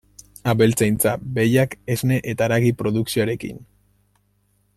Abeltzaintza: Behiak, esne eta haragi produkzioarekin.